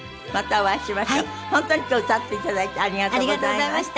本当に今日は歌っていただいてありがとうございました。